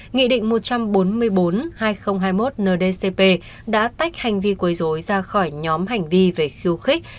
nghị định một trăm bốn mươi bốn hai nghìn hai mươi một ndcp đã tách hành vi quấy dối ra khỏi nhóm hành vi về khiêu khích